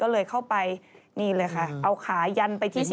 แล้วเข้าไปเอาขายันไปที่ศรีศรัทธิ์